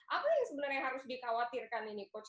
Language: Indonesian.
apa yang sebenarnya harus dikhawatirkan ini coach